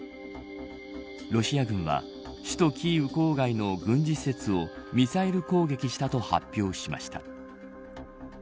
ロシア軍は首都キーウ郊外の軍事施設をミサイル攻撃したと発表しました。